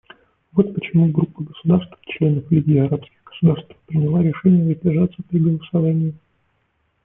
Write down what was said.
Вот почему группа государств — членов Лиги арабских государств приняла решение воздержаться при голосовании.